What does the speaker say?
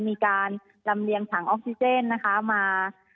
มีการลำเลียงถังออกซิเจนนะคะมา